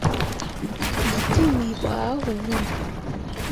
Bii tewii ɓo ah hunni.